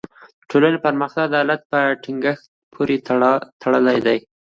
د ټولني پرمختګ د عدالت په ټینګښت پوری تړلی دی.